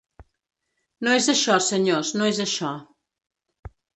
No és això, senyors, no és això.